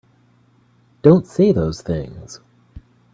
Don't say those things!